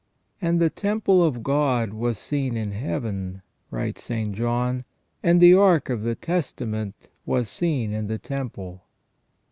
"And the temple of God was seen in Heaven," writes St. John, and the ark of the testatment was seen in the temple."